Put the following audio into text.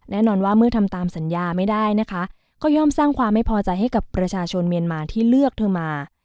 แน่นอนว่าเมื่อทำตามสัญญาไม่ได้นะคะก็ย่อมสร้างความไม่พอใจให้กับประชาชนเมียนมาที่เลือกเธอมา